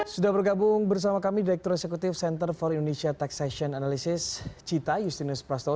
sudah bergabung bersama kami direktur eksekutif center for indonesia taxation analysis cita justinus prasto